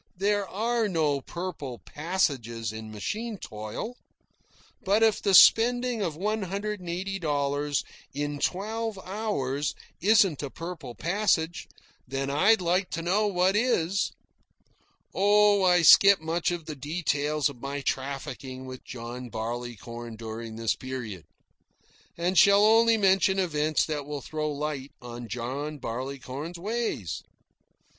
There are no purple passages in machine toil. But if the spending of one hundred and eighty dollars in twelve hours isn't a purple passage, then I'd like to know what is. Oh, I skip much of the details of my trafficking with John Barleycorn during this period, and shall only mention events that will throw light on John Barleycorn's ways.